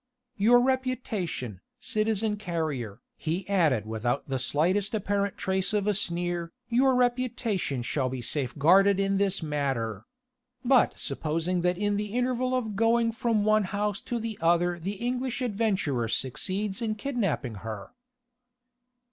Your reputation, citizen Carrier," he added without the slightest apparent trace of a sneer, "your reputation shall be safeguarded in this matter. But supposing that in the interval of going from the one house to the other the English adventurer succeeds in kidnapping her...."